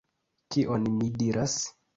Kion mi diras?